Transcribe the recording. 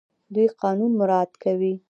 دوی قانون مراعات کوي.